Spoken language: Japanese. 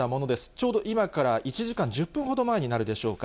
ちょうど今から１時間１０分ほど前になるでしょうか。